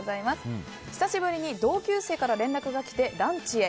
久しぶりに同級生から連絡が来てランチへ。